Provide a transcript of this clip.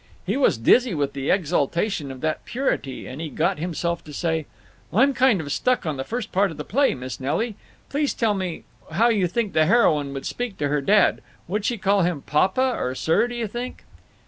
He was dizzy with the exaltation of that purity, but he got himself to say: "I'm kind of stuck on the first part of the play, Miss Nelly. Please tell me how you think the heroine would speak to her dad. Would she call him 'papa' or 'sir,' do you think?"